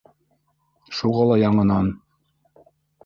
Шуға ла яңынан: